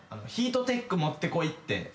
ヒートテック持ってこいって。